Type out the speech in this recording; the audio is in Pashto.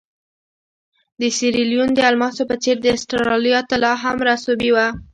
د سیریلیون د الماسو په څېر د اسټرالیا طلا هم رسوبي وه.